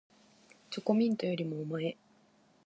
チョコミントよりもおまえ